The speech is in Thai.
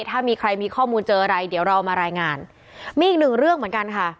ถ้ามีใครมีข้อมูลเจออะไรเดี๋ยวเรามารายงานมีอีกหนึ่งเรื่องเหมือนกันค่ะ